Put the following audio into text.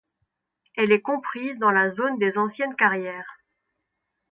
Elle est comprise dans la zone des anciennes carrières.